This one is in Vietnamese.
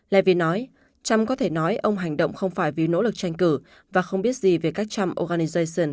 levin nói trump có thể nói ông hành động không phải vì nỗ lực tranh cử và không biết gì về các trump organization